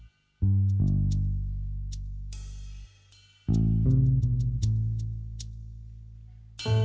dek aku mau ke sana